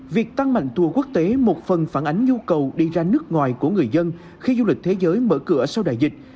việc tăng mạnh tour quốc tế một phần phản ánh nhu cầu đi ra nước ngoài của người dân khi du lịch thế giới mở cửa sau đại dịch